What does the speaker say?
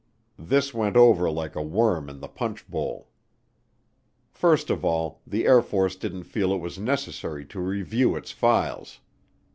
This went over like a worm in the punch bowl. First of all, the Air Force didn't feel it was necessary to review its files.